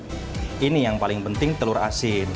ya lalu kemudian ini yang paling penting telur asin